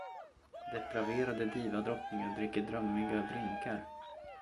Depraverade divadrottningar dricker drömmiga drinkar.